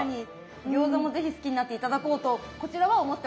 餃子も是非好きになって頂こうとこちらは思っておりますので。